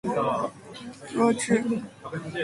弱智？